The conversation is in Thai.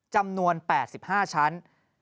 จำนวน๘๕ชั้น